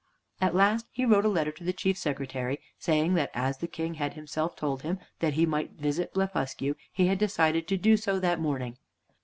At last he wrote a letter to the Chief Secretary, saying that as the King had himself told him that he might visit Blefuscu, he had decided to do so that morning.